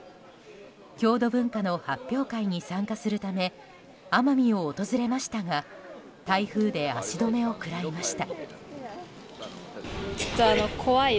郷土文化の発表会に参加するため奄美を訪れましたが台風で足止めを食らいました。